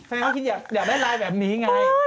แฟนเขาคิดอยากได้ไลน์แบบนี้ไง